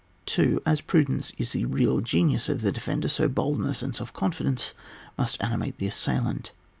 2. As prudence is the real genius of the defender, so boldness and self confi dence must animate the assailant.